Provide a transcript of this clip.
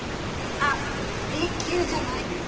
あっＡ級じゃないです。